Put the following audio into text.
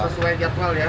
sesuai jadwal ya